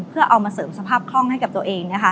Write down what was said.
เพื่อเอามาเสริมสภาพคล่องให้กับตัวเองนะคะ